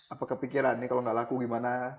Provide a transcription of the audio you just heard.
apa kepikiran nih kalau nggak laku gimana